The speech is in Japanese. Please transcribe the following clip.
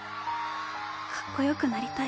かっこよくなりたい。